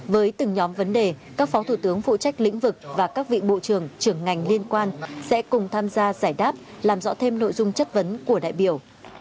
với từng nhóm vấn đề các phó thủ tướng phụ trách lĩnh vực và các vị bộ trưởng trưởng ngành liên quan sẽ cùng tham gia giải đáp làm rõ thêm nội dung chất vấn của đại biểu